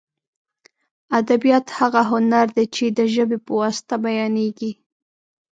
ادبیات هغه هنر دی چې د ژبې په واسطه بیانېږي.